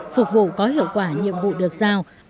phục vụ có hiệu quả nhiệm vụ được giao